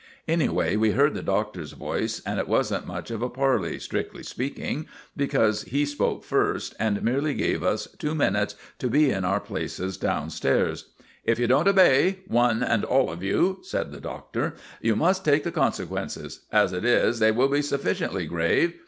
Anyway, we heard the Doctor's voice, and it wasn't much of a parley, strictly speaking, because he spoke first, and merely gave us two minutes to be in our places down stairs. "If you don't obey, one and all of you," said the Doctor, "you must take the consequences. As it is, they will be sufficiently grave.